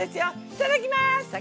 いただきます！